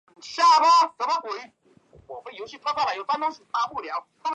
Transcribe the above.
她有一个弟弟。